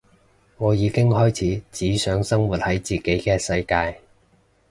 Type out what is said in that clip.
我已經開始只想生活喺自己嘅世界